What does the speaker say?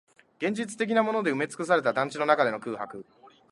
現実的なもので埋めつくされた団地の中での空白